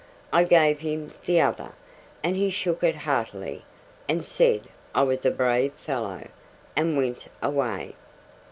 I gave him the other, and he shook it heartily, and said I was a brave fellow, and went away.